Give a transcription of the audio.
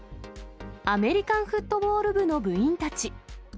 アメリカンフットボール部の部員たち。